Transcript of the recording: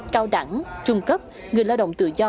cao đẳng trung cấp người lao động tự do